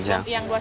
yang dua cm